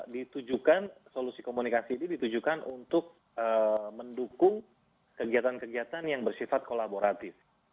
ditujukan solusi komunikasi ini ditujukan untuk mendukung kegiatan kegiatan yang bersifat kolaboratif